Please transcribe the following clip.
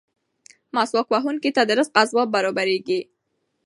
مسواک وهونکي ته د رزق اسباب برابرېږي.